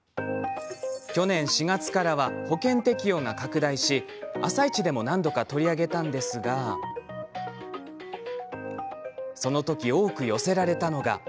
去年４月からは保険適用が拡大し「あさイチ」でも何度か取り上げたんですがその時、多く寄せられたのが。